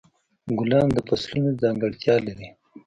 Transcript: ګلان د فصلونو ځانګړتیا لري.